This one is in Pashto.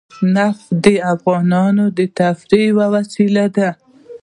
نفت د افغانانو د تفریح یوه وسیله ده.